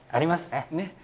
ねっ。